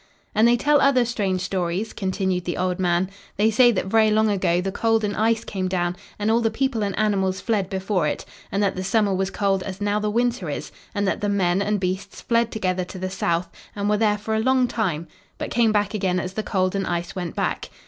"And they tell other strange stories," continued the old man. "They say that very long ago the cold and ice came down, and all the people and animals fled before it, and that the summer was cold as now the winter is, and that the men and beasts fled together to the south, and were there for a long time, but came back again as the cold and ice went back.